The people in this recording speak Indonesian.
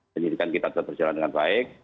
penyelidikan kita tetap berjalan dengan baik